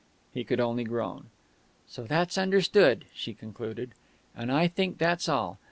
He could only groan. "So that's understood," she concluded. "And I think that's all.